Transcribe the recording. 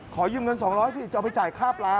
ขอยืมเงิน๒๐๐สิจะเอาไปจ่ายค่าปลา